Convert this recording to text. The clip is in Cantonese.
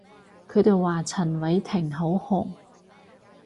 佢哋話陳偉霆好紅